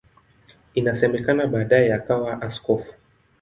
Inasemekana baadaye akawa askofu.